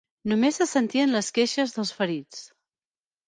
Només se sentien les queixes dels ferits.